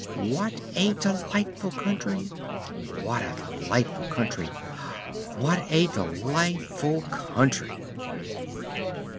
"What a delightful country! What a delightful country! What a delightful country!"